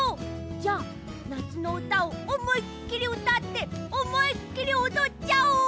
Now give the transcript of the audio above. じゃあなつのうたをおもいっきりうたっておもいっきりおどっちゃおう！